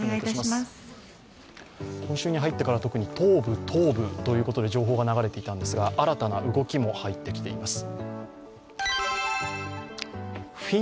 今週に入ってから、特に東部、東部ということで情報が入ってきていたんですが、新たな動きも入ってきています。